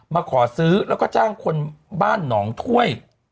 มาขอซื้อแล้วก็จ้างคนบ้านหนองถ้วย